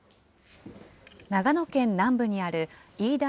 長野県南部にある飯田